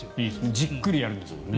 じっくりやるんですもんね。